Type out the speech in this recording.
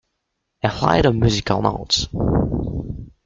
A flight of musical notes.